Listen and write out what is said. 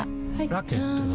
ラケットは？